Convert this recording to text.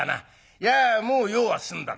いやもう用は済んだんだ。